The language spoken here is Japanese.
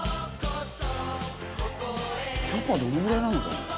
キャパどれぐらいなのかな。